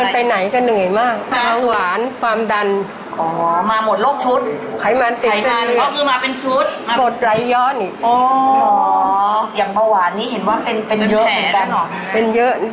แต่งงานกันต้องอายุ